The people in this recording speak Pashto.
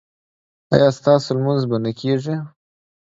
ایا ستاسو لمونځ به نه کیږي؟